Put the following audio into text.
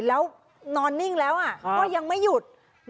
แล้วนอนนิ่งแล้วก็ยังไม่หยุด